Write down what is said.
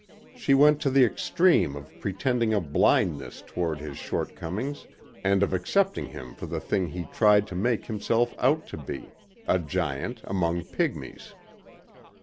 She went to the extreme of pretending a blindness toward his shortcomings and of accepting him for the thing he tried to make himself out to be a giant among pygmies.